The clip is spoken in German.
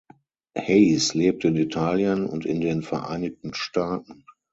Hayes lebte in Italien und in den Vereinigten Staaten.